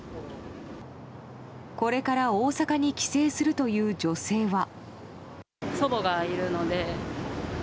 これから大阪に帰省するという女性は。